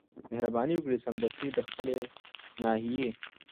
مهرباني وکړئ سمدستي د خپلي ناحيې